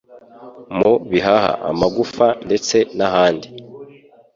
mu bihaha amagufwa ndetse nahandi